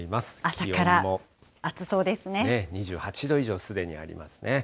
気温も２８度以上、すでにありますね。